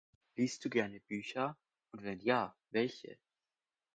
Liest du gerne Bücher? Und wenn ja, welche?